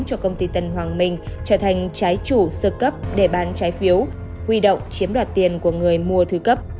cho công ty tân hoàng minh trở thành trái chủ sơ cấp để bán trái phiếu huy động chiếm đoạt tiền của người mua thứ cấp